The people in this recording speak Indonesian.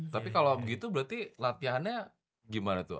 tapi kalau begitu berarti latihannya gimana tuh